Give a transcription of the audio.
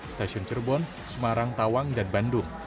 stasiun cirebon semarang tawang dan bandung